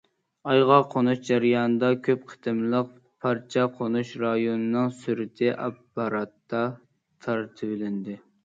ئايغا قونۇش جەريانىدا، كۆپ قېتىملىق پارچە قونۇش رايونىنىڭ سۈرىتى ئاپپاراتتا تارتىۋېلىندى.